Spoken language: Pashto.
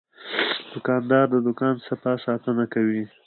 دوکاندار د دوکان صفا ساتنه کوي.